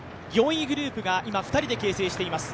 ４位グループが今、２人で形成しています。